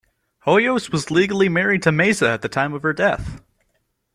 Hoyos was legally married to Mesa at the time of her death.